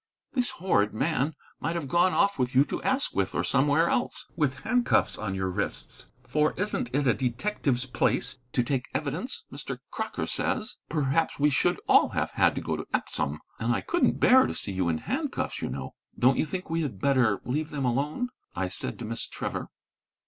This horrid man would have gone off with you to Asquith or somewhere else, with handcuffs on your wrists; for it isn't a detective's place to take evidence, Mr. Crocker says. Perhaps we should all have had to go to Epsom! And I couldn't bear to see you in handcuffs, you know." "Don't you think we had better leave them alone?" I said to Miss Trevor.